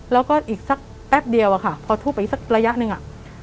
แล้วก็อีกสักแป๊บเดียวอะค่ะพอทูบไปอีกสักระยะหนึ่งอ่ะ